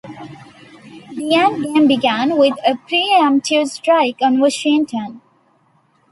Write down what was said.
The end game began with a pre-emptive strike on Washington.